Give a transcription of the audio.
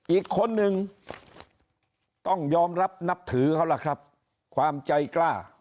อีกคนนึงต้องยอมรับนับถือเขาล่ะครับความใจกล้า